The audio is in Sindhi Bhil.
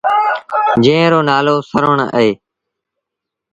جݩهݩ رو نآلو سروڻ اهي۔